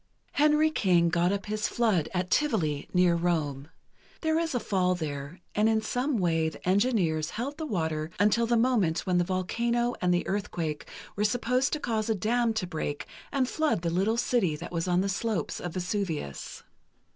Henry King got up his flood at Tivoli, near Rome. There is a fall there, and in some way the engineers held the water until the moment when the volcano and the earthquake were supposed to cause a dam to break and flood the little city that was on the slopes of Vesuvius.